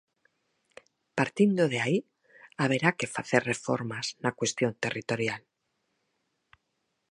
Partindo de aí, haberá que facer reformas na cuestión territorial.